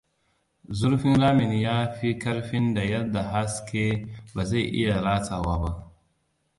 Zurfin ramin ya fi ƙarfin da yadda haske ba zai iya ratsawa ba!